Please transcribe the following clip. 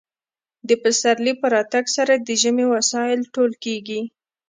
د پسرلي په راتګ سره د ژمي وسایل ټول کیږي